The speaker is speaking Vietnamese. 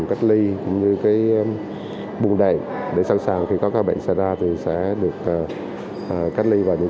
cách ly cũng như cái bùng đèn để sẵn sàng khi có các bệnh xảy ra thì sẽ được cách ly vào những